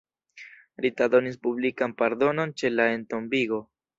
Rita donis publikan pardonon ĉe la entombigo.